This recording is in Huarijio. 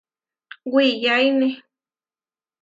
Wiyáine.